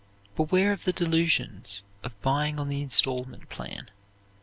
Beware of the delusions of buying on the instalment plan.